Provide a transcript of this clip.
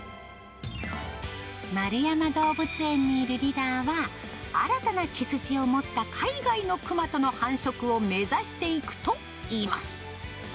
円山動物園にいるリラは、新たな血筋を持った海外のクマとの繁殖を目指していくといいます。